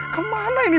kemana ini faridah